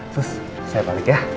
sus saya balik ya